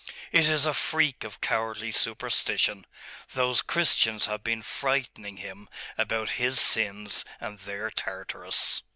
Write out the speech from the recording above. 'It is a freak of cowardly superstition.... Those Christians have been frightening him about his sins and their Tartarus.